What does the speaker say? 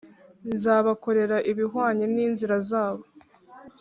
Nzabakorera ibihwanye n inzira zabo